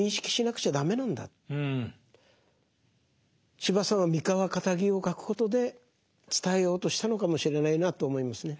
司馬さんは三河かたぎを書くことで伝えようとしたのかもしれないなと思いますね。